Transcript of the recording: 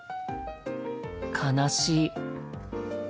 悲しい。